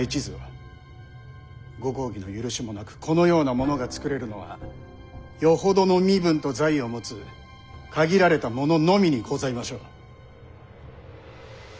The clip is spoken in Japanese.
ご公儀の許しもなくこのようなものが作れるのはよほどの身分と財を持つ限られた者のみにございましょう。